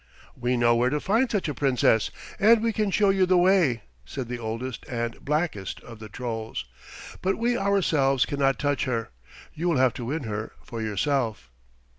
"We know where to find such a Princess, and we can show you the way," said the oldest and blackest of the Trolls, "but we ourselves cannot touch her. You will have to win her for yourself."